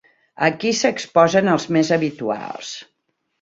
Aquí s'exposen els més habituals.